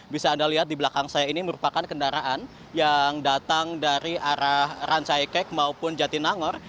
bisa anda lihat di belakang saya ini merupakan kendaraan yang datang dari arah rancaikek maupun jatinangor